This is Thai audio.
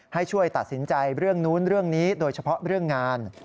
ให้ช่วยตัดสินใจเรื่องนู้นเรื่องนี้โดยเฉพาะเรื่องงาน